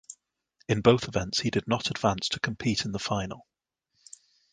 In both events he did not advance to compete in the final.